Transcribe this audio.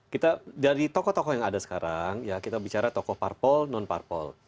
kita dari tokoh tokoh yang ada sekarang ya kita bicara tokoh parpol non parpol